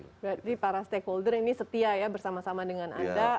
berarti para stakeholder ini setia ya bersama sama dengan anda